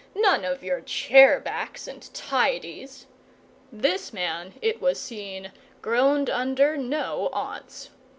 None of your chair backs and tidies! This man, it was seen, groaned under no aunts.